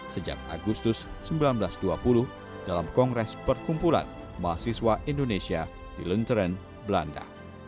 sejak agustus seribu sembilan ratus dua puluh dalam kongres perkumpulan mahasiswa indonesia di lenteren belanda